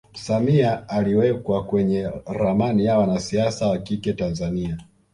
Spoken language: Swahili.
samia aliwekwa kwenye ramani ya wanasiasa wakike tanzania